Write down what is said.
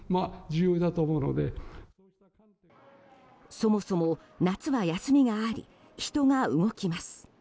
そもそも夏は休みがあり人が動きます。